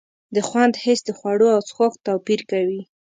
د خوند حس د خوړو او څښاک توپیر کوي.